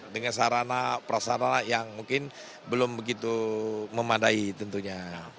dengan sarana prasarana yang mungkin belum begitu memadai tentunya